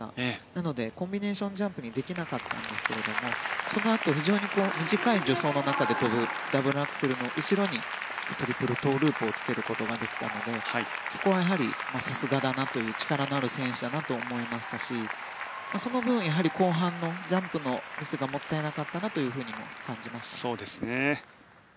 なのでコンビネーションジャンプにできなかったんですがそのあと非常に短い助走の中で跳ぶダブルアクセルの後ろにトリプルトウループをつけることができたのでそこはやはり、さすがだなという力のある選手だなと思いましたしその分、やはり後半のジャンプのミスがもったいなかったなと感じました。